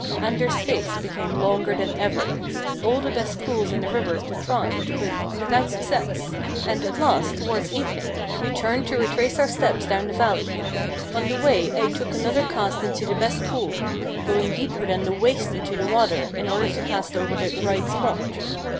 Anders' face became longer than ever. All the best pools in the river were tried, but without success, and at last, towards evening, we turned to retrace our steps down the valley. On the way I took another cast into the best pool going deeper than the waist into the water in order to cast over the "right spot."